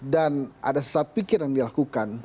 dan ada sesat pikir yang dilakukan